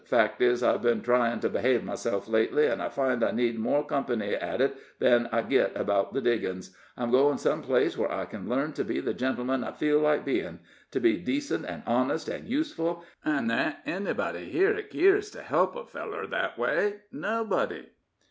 Fact is, I've been tryin' to behave myself lately, an' I find I need more company at it than I git about the diggin's. I'm goin' some place whar I ken learn to be the gentleman I feel like bein' to be decent an' honest, an' useful, an' there ain't anybody here that keers to help a feller that way nobody."